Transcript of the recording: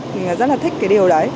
mình rất là thích cái điều đấy